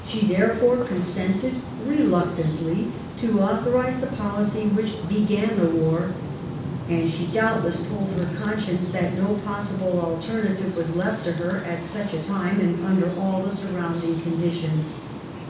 She, therefore, con sented reluctantly to authorise the pohcy which began the war, and she doubtless told her conscience that no possible alternative was left to her at such a time and under all the surrounding conditions.